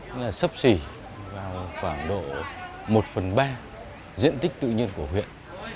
nó là sấp xỉ vào khoảng độ một phần ba diện tích tự nhiên của huyện